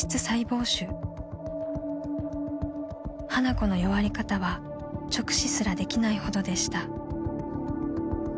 ［花子の弱り方は直視すらできないほどでした］